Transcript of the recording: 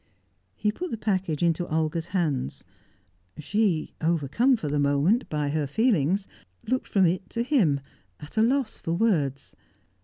He put the packet into Olga's hands. She, overcome for the moment by her feelings, looked from it to him, at a loss for words.